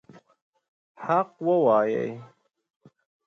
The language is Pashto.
حق ووایئ.